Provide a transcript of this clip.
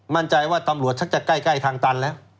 มั่นใจว่าตำรวจชักจะใกล้ทางตันแล้ว